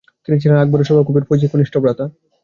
তিনি ছিলেন আকবরের সভাকবি ফৈজির কনিষ্ঠ ভ্রাতা।